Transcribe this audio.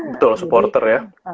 betul supporter ya